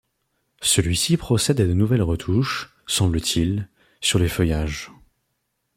Celui-ci procède à de nouvelles retouches, semble-t-il, sur les feuillages.